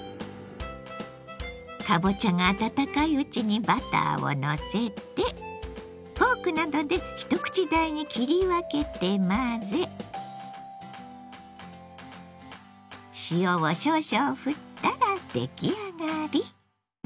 かぼちゃが温かいうちにバターをのせてフォークなどで一口大に切り分けて混ぜ塩を少々ふったら出来上がり。